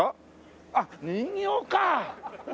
あっ人形か！